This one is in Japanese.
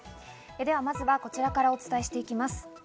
まずは、こちらからご紹介していきます。